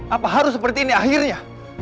apa harus seperti ini akhirnya